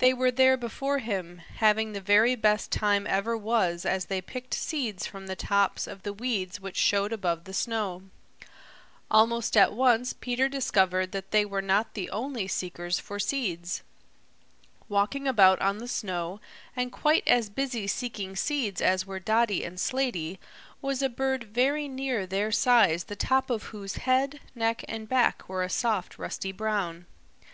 They were there before him, having the very best time ever was as they picked seeds from the tops of the weeds which showed above the snow. Almost at once Peter discovered that they were not the only seekers for seeds. Walking about on the snow, and quite as busy seeking seeds as were Dotty and Slaty, was a bird very near their size the top of whose head, neck and back were a soft rusty brown.